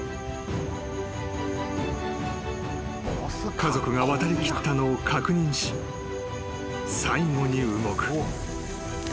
［家族が渡りきったのを確認し最後に動く］